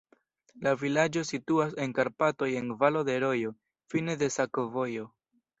La vilaĝo situas en Karpatoj en valo de rojo, fine de sakovojo.